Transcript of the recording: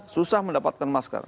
susah mendapatkan masker